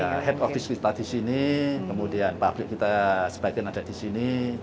ya head office kita di sini kemudian pabrik kita sebagian ada di sini